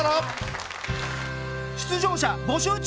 出場者募集中！